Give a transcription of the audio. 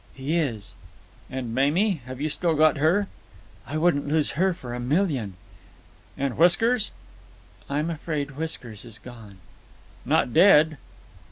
"He is." "And Mamie? Have you still got her?" "I wouldn't lose her for a million." "And Whiskers?" "I'm afraid Whiskers is gone." "Not dead?"